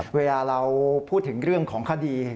เวลาเราพูดถึงเรื่องของคดี